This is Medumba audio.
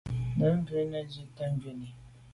Ndɛ̂mbə̄ bū à’ zí’jú jə̂ ngū’ lî.